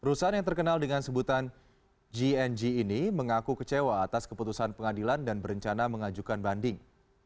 perusahaan yang terkenal dengan sebutan gng ini mengaku kecewa atas keputusan pengadilan dan berencana mengajukan banding